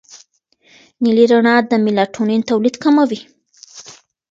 نیلي رڼا د میلاټونین تولید کموي.